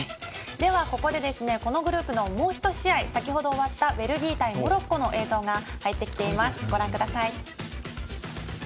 ここで、このグループのもう１試合、先ほど終わったベルギー対モロッコの映像が入ってきています。